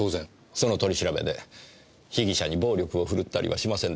その取り調べで被疑者に暴力を振るったりはしませんでしたか？